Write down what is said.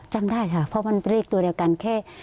จำได้ค่ะเพราะมันเลขตัวเอง